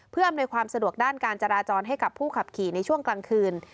เพื่ออำนวยความสะดวกด้านการจราจรให้กับผู้ขับขี่ในช่วงกลางคืน